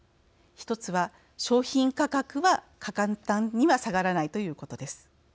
１つは、商品価格は簡単には下がらないということです。